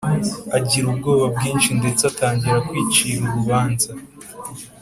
. Agira ubwoba bwinshi ndetse atangira kwicira urubanza.